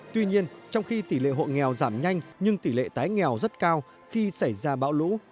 tuy nhiên trong khi tỷ lệ hộ nghèo giảm nhanh nhưng tỷ lệ tái nghèo rất cao khi xảy ra bão lũ